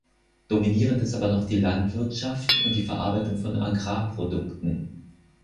Dominierend ist aber noch die Landwirtschaft und die Verarbeitung von Agrarprodukten.